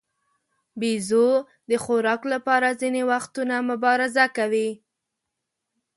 بیزو د خوراک لپاره ځینې وختونه مبارزه کوي.